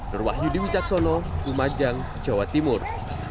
terwahyudi wicaksono kumajang jawa timur